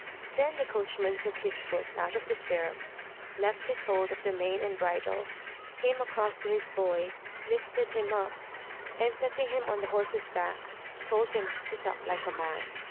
Then the coachman took his foot out of the stirrup, left his hold of the mane and bridle, came across to his boy, lifted him up, and setting him on the horse's back, told him to sit up like a man.